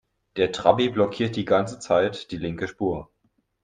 Der Trabi blockiert die ganze Zeit die linke Spur.